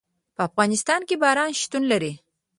په افغانستان کې باران شتون لري.